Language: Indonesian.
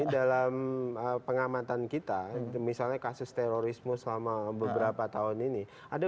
dalam pengamatan kita misalnya kasus terorisme selama beberapa tahun ini